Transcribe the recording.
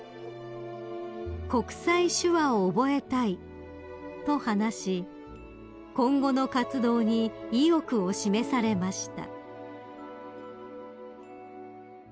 ［「国際手話を覚えたい」と話し今後の活動に意欲を示されました］